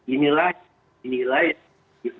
inilah yang diperlukan